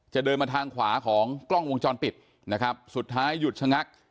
จะเดินมาทางขวาของกล้องวงจรปิดนะครับสุดท้ายหยุดชะงัก